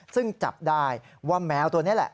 ซึ่งจับได้ว่าแมวตัวนี้แหละ